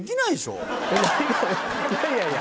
えっいやいやいや。